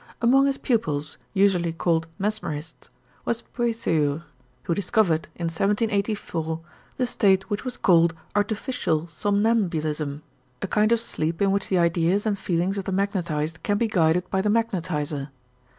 Among his pupils, usually called mesmerists, was Puysèyur, who discovered, in 1784, the state which was called artificial somnambulism, a kind of sleep in which the ideas and feelings of the magnetized can be guided by the magnetizer.